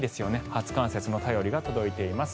初冠雪の便りが届いています。